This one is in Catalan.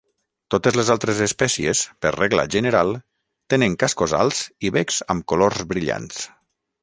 Totes les altres espècies, per regla general, tenen cascos alts i becs amb colors brillants.